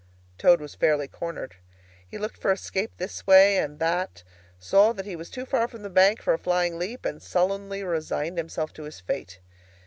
Toad was fairly cornered. He looked for escape this way and that, saw that he was too far from the bank for a flying leap, and sullenly resigned himself to his fate.